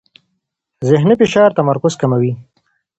ذهني فشار تمرکز کموي.